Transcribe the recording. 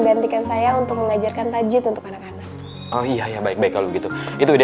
diperlukan saya untuk mengajarkan tajid untuk anak anak oh iya baik baik kalau gitu itu dia